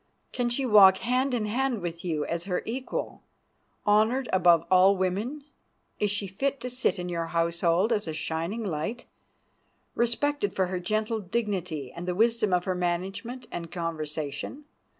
Can she walk hand in hand with you as her equal, honored above all women? Is she fit to sit in your household as a shining light, respected for her gentle dignity and the wisdom of her management and conversation?